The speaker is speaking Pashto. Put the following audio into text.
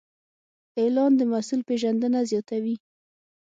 اعلان د محصول پیژندنه زیاتوي.